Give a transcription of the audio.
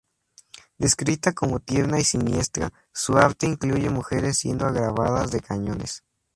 Descrita como tierna y siniestra, su arte incluye mujeres siendo grabadas de cañones.